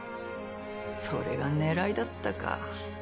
それが狙いだったか。